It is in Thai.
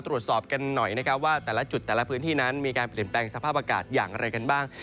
ตรวจสอบกันหน่อยนะครับว่าแต่ละจุดแต่ละพื้นที่นั้นมีการเปลี่ยนแปลงสภาพอากาศอย่างไรกันบ้าง